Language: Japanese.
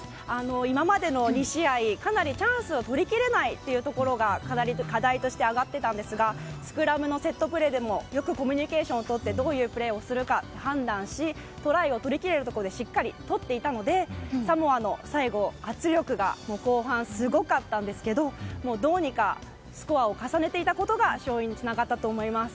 今までの２試合はチャンスを取り切れないところが課題として挙がっていたんですがスクラムのセットプレーでもよくコミュニケーションをとってどういうプレーをするか判断しトライを取り切れるところでしっかりとっていたのでサモアの最後、圧力が後半すごかったんですけどどうにかスコアを重ねていったことが勝利につながったと思います。